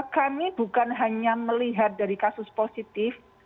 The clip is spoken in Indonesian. kami bukan hanya melihat dari kasus positif